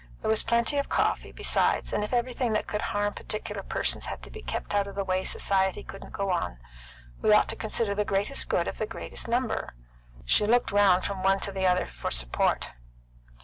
There was plenty of coffee, besides, and if everything that could harm particular persons had to be kept out of the way, society couldn't go on. We ought to consider the greatest good of the greatest number." She looked round from one to another for support.